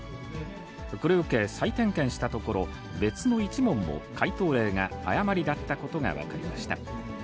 これを受け、再点検したところ、別の１問も解答例が誤りだったことが分かりました。